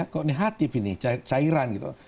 kok negatif ini cairan gitu